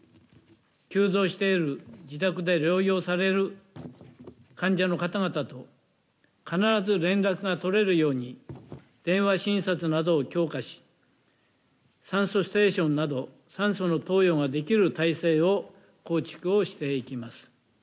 急増している自宅で療養される患者の方々と必ず連絡が取れるように電話診察などを強化し、酸素ステーションなど酸素の投与ができる体制を構築していきます。